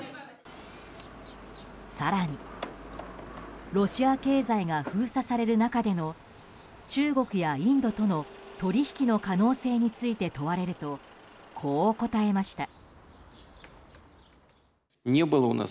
更に、ロシア経済が封鎖される中での中国やインドとの取引の可能性について問われるとこう答えました。